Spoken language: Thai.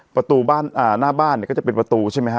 ประตูบ้านหน้าบ้านเนี่ยก็จะเป็นประตูใช่ไหมฮะ